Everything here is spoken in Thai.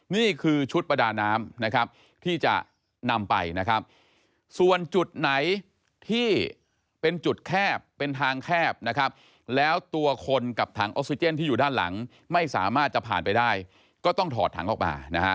นี่คือชุดประดาน้ำนะครับที่จะนำไปนะครับส่วนจุดไหนที่เป็นจุดแคบเป็นทางแคบนะครับแล้วตัวคนกับถังออกซิเจนที่อยู่ด้านหลังไม่สามารถจะผ่านไปได้ก็ต้องถอดถังออกมานะฮะ